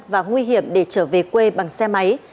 và nguy hiểm để trở về quê bằng xe máy